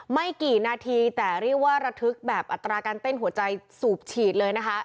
ไม่กี่นาทีแต่เรียกว่าระทึกแบบอัตราการเต้นหัวใจสูบฉีดเลยนะคะ